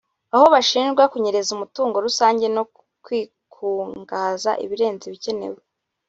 aho bashinjwa kunyereza umutungo rusange no kwikungahaza birenze ibikenewe